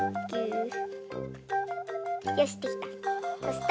よしできた。